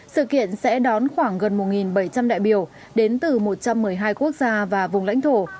sự kiện sẽ đón khoảng gần một bảy trăm linh đại biểu đến từ một trăm một mươi hai quốc gia và vùng lãnh thổ